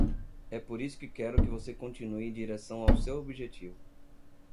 É por isso que quero que você continue em direção ao seu objetivo.